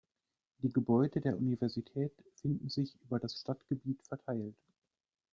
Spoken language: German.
Die Gebäude der Universität finden sich über das Stadtgebiet verteilt.